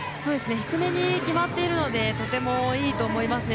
低めに決まっているのでとてもいいと思いますね。